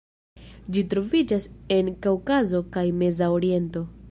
Ĝi troviĝas en Kaŭkazo kaj Meza Oriento.